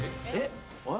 えっ？